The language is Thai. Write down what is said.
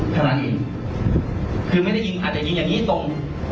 ถนักอีกคือไม่ได้ยินอาจจะยินแบบนี้จะตรง